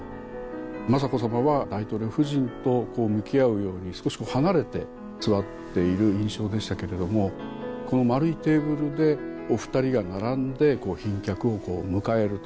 雅子さまは大統領夫人と向き合うように少し離れて座っている印象でしたけれどもこの丸いテーブルでお二人が並んで賓客を迎えると。